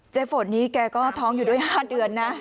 ฝนนี้แกก็ท้องอยู่ด้วย๕เดือนนะ